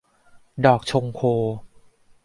ดอกชงโค